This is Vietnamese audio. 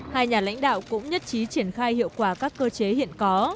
hai nhà lãnh đạo cũng nhất trí triển khai hiệu quả các cơ chế hiện có